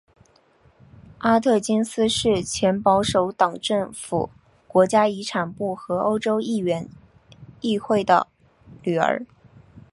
阿特金斯是前保守党政府国家遗产部和欧洲议会议员的女儿。